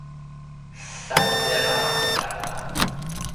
سد رمق کردن